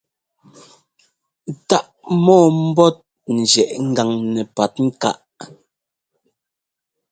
Táʼ mɔɔmbɔ́t njiɛ́ʼ ŋgan nɛpatŋkáʼ.